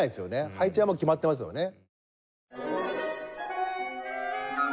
配置はもう決まってますよね。